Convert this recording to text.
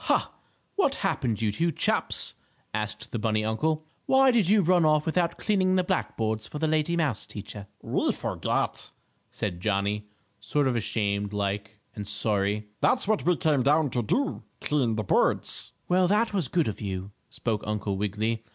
"Ha! What happened you two chaps?" asked the bunny uncle. "Why did you run off without cleaning the black boards for the lady mouse teacher?" "We forgot," said Johnnie, sort of ashamed like and sorry. "That's what we came back to do clean the boards." "Well, that was good of you," spoke Uncle Wiggily.